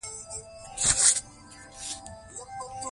پر فدرالي عوایدو د مالیاتو وضع کول وو.